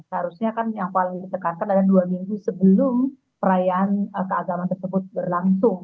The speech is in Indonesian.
harusnya kan yang paling ditekankan adalah dua minggu sebelum perayaan keagamaan tersebut berlangsung